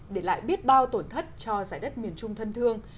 để lại biết bao tổn thất cho giải đất miền trung thân thương